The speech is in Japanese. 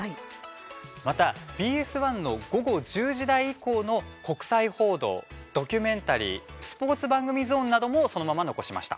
また、ＢＳ１の午後１０時台以降の国際報道ドキュメンタリースポーツ番組ゾーンなどもそのまま残しました。